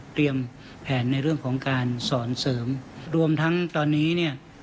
แผนในเรื่องของการสอนเสริมรวมทั้งตอนนี้เนี่ย